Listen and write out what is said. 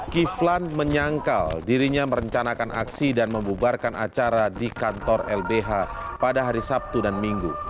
kiflan menyangkal dirinya merencanakan aksi dan membubarkan acara di kantor lbh pada hari sabtu dan minggu